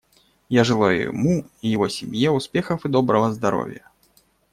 Я желаю ему и его семье успехов и доброго здоровья.